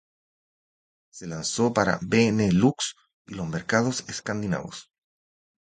Se lanzó para BeNeLux y los mercados escandinavos.